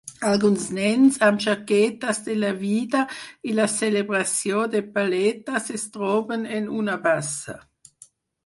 Alguns nens amb jaquetes de la vida i la celebració de paletes es troben en una bassa